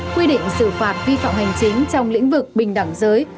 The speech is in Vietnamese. quy định xử phạt vi phạm hành chính trong lĩnh vực bình đẳng giới